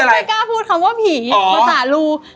ไม่กล้าพูดคำว่าผีภาษารู